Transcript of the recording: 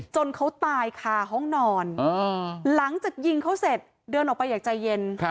เขาตายคาห้องนอนหลังจากยิงเขาเสร็จเดินออกไปอย่างใจเย็น